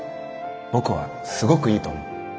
僕はすごくいいと思う。